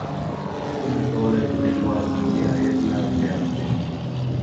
څنګه کولای سو د هيواد ملي عايد لا زيات کړو؟